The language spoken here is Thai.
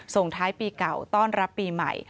ส่งท้ายปีเก่าต้อนรับปีใหม่